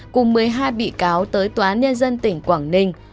cùng một mươi hai bị cáo tới tòa án nhân dân tỉnh quảng ninh